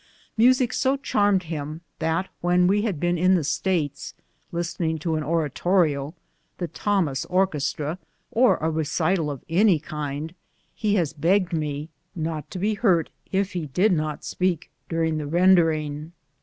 Music so charmed him that when we liave been in the States, listening to an oratorio, the Thomas orchestraj or a recital of any kind, lie has begged me not to be hurt if he did not speak during the render ing.